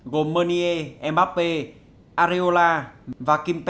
gồm meunier mbappé areola và kim pembe